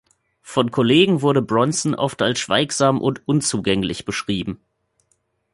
Von Kollegen wurde Bronson oft als schweigsam und unzugänglich beschrieben.